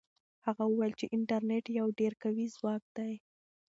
هغه وویل چې انټرنيټ یو ډېر قوي ځواک دی.